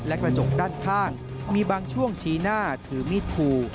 และกระจกด้านข้างมีบางช่วงชี้หน้าถือมีดขู่